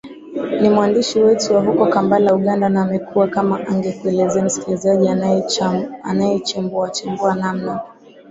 ni mwandishi wetu wa huko kampala uganda na amekuwaa kama angekueleza msikilizaji anachembuachembua namna